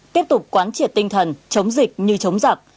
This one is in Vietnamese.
tiếp tục quán triệt tinh thần chống dịch như chống giặc